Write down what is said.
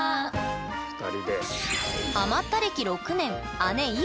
２人で。